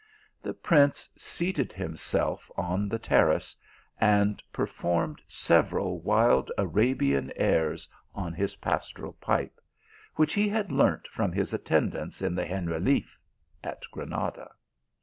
The prince seated himself on the terrace, and per formed several wild Arabian airs on his pastoral pipe, which he had learnt from his attendants in the Generaliffe at Granada.